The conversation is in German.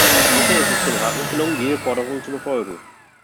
Bisher ist es dem Rat nicht gelungen, diese Forderungen zu befolgen.